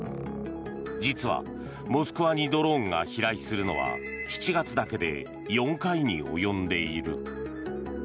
実は、モスクワにドローンが飛来するのは７月だけで４回に及んでいる。